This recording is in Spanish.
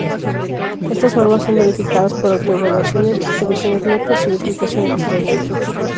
Estas normas son verificadas por auto-evaluaciones, revisiones mutuas y verificación externa.